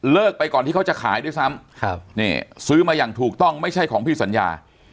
ไปก่อนที่เขาจะขายด้วยซ้ำนี่ซื้อมาอย่างถูกต้องไม่ใช่ของพี่สัญญา